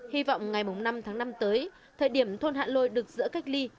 hy vọng ngày năm tháng năm tới thời điểm thôn hạ lôi được giữ cách ly